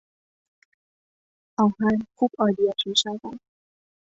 آهن خوب آلیاژ میشود.